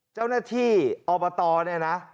เจ้าหน้าที่อปนี่นะ